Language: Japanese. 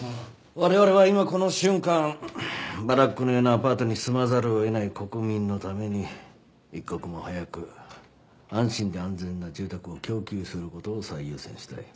我々は今この瞬間バラックのようなアパートに住まざるを得ない国民のために一刻も早く安心で安全な住宅を供給する事を最優先したい。